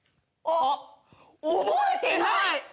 あっ覚えてない。